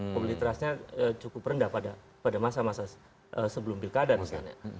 mobilitasnya cukup rendah pada masa masa sebelum pilkada misalnya